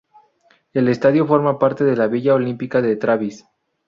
El estadio forma parte de la villa olímpica de Tabriz.